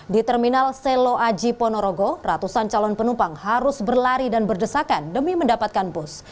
di terminal selo aji ponorogo ratusan calon penumpang harus berlari dan berdesakan demi mendapatkan bus